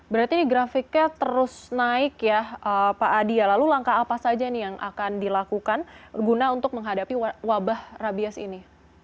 berarti ini grafiknya terus naik ya pak adi ya lalu langkah apa saja nih yang akan dilakukan guna untuk menghadapi wabah rabies ini